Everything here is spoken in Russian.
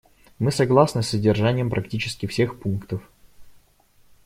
Мы согласны с содержанием практически всех пунктов.